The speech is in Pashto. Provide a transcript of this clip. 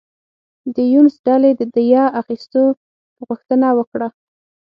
د یونس ډلې د دیه اخیستو غوښتنه وکړه.